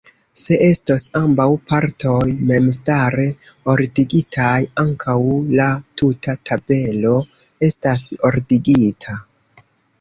Se estos ambaŭ partoj memstare ordigitaj, ankaŭ la tuta tabelo estas ordigita.